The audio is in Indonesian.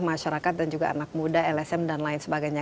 masyarakat dan juga anak muda lsm dan lain sebagainya